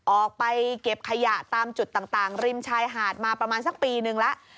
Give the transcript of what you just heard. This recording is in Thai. ออกไปเก็บขยะตามจุดต่างริมชายหาดมาประมาณสักปีนึงแล้ว